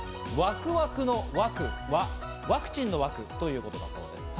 ワクワクのワクはワクチンのワクということだそうです。